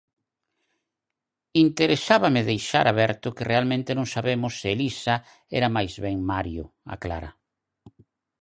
"Interesábame deixar aberto que realmente non sabemos se Elisa era máis ben Mario", aclara.